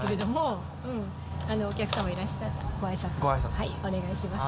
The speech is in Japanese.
はいお願いします。